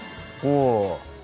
おお。